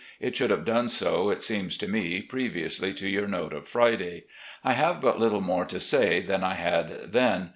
It should have done so, it seems to me, previously to your note of Friday. I have but little more to say than I had then.